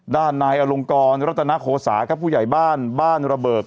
ด้านนายอลงกรรัตนโคสาครับผู้ใหญ่บ้านบ้านระเบิด